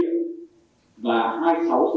đi melbourne và sydney rồi